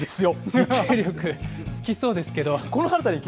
持久力つきそうですけど。